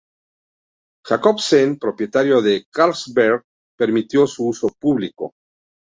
Jacobsen, propietario de Carlsberg, permitió su uso público.